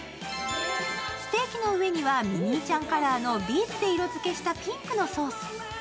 ステーキの上にはミニーちゃんカラーのビーツで色付けしたピンクのソース。